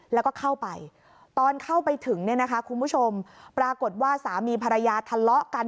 แล้วก็เข้าไปตอนเข้าไปถึงเนี่ยนะคะคุณผู้ชมปรากฏว่าสามีภรรยาทะเลาะกัน